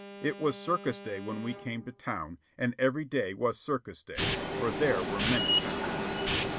It was circus day when we came to town, and every day was circus day, for there were many towns.